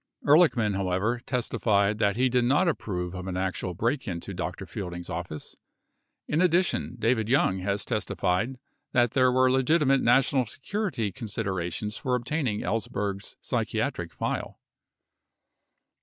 13 Ehrlichman, however, testified that he did not approve of an actual break in to Dr. Fielding's office. 14 In addition, David Young has testified that there were legitimate national security considerations for obtaining Ellsberg's psychiatric file.